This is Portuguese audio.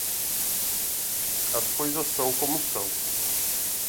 As coisas são como são.